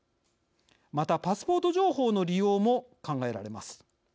また、パスポート情報の利用も考えられます。